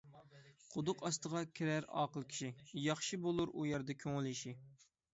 قۇدۇق ئاستىغا كىرەر ئاقىل كىشى، ياخشى بولۇر ئۇ يەردە كۆڭۈل ئىشى.